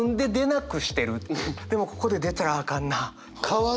でもここで出たらあかんなあ。